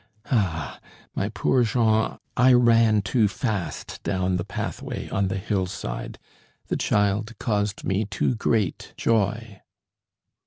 Ah! my poor Jean, I ran too fast down, the pathway on the hillside; the child caused me too great joy."